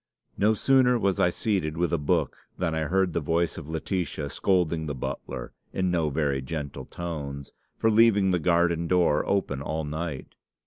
"No sooner was I seated with a book than I heard the voice of Laetitia scolding the butler, in no very gentle tones, for leaving the garden door open all night.